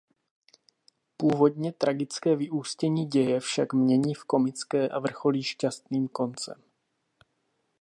Původně tragické vyústění děje však mění v komické a vrcholí šťastným koncem.